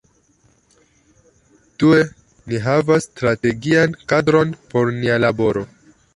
Due, ni havas strategian kadron por nia laboro.